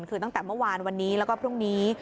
คือตั้งแต่เมื่อวานวันนี้แล้วก็พรุ่งนี้